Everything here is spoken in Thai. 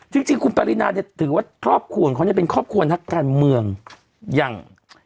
จริงจริงคุณปรินาเนี่ยถือว่าครอบควรเขาจะเป็นครอบควรนักการเมืองอย่าง